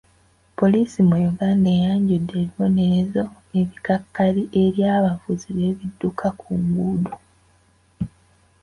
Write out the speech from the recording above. Poliisi mu Uganda eyanjudde ebibonerezo ebikakali eri abavuzi b'ebidduka ku nguudo.